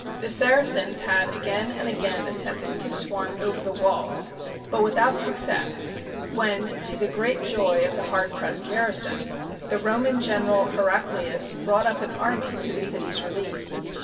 The Saracens had again and again attempted to swarm over the walls, but without success, when, to the great joy of the hard pressed garrison, the Roman general, Heraclius, brought up an army to the city's relief.